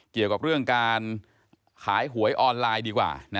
เกี่ยวกับเรื่องการขายหวยออนไลน์ดีกว่า